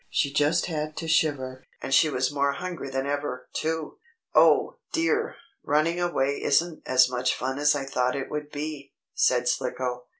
She just had to shiver. And she was more hungry than ever, too. "Oh dear! Running away isn't as much fun as I thought it would be!" said Slicko.